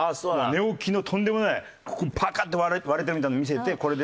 寝起きのとんでもないここパカッと割れてるみたいなの見せてこれで。